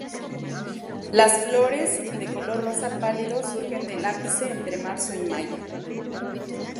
Las flores, de color rosa pálido, surgen del ápice entre marzo y mayo.